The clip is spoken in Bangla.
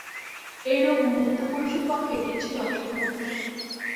এইরূপ মুক্ত পুরুষের পক্ষে কিছুই অসম্ভব নয়।